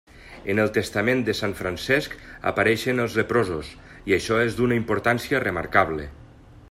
En el Testament de sant Francesc apareixen els leprosos, i això és d'una importància remarcable.